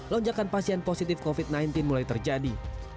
lonjakan pasien positif covid sembilan belas mulai terjadi